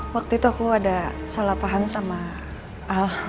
waktu itu aku ada salah paham sama al